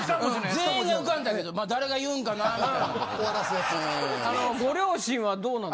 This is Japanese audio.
全員が浮かんだけどまあ誰が言うんかなみたいなんで。